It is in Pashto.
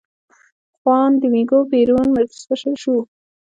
خوان دومینګو پېرون ولسمشر شو.